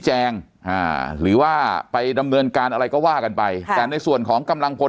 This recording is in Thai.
แจงอ่าหรือว่าไปดำเนินการอะไรก็ว่ากันไปแต่ในส่วนของกำลังพล